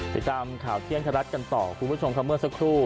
ติดตามข่าวเที่ยงไทยรัฐกันต่อคุณผู้ชมครับเมื่อสักครู่